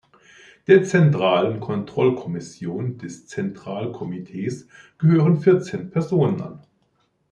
Der "Zentralen Kontrollkommission des Zentralkomitees" gehören vierzehn Personen an.